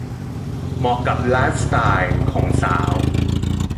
เหมาะกับไลฟ์สไตล์ของสาว